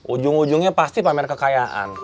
ujung ujungnya pasti pamer kekayaan